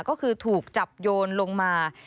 ก็คือถูกจับโยนลงมา